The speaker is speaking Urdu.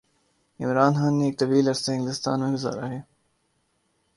عمران خان نے ایک طویل عرصہ انگلستان میں گزارا ہے۔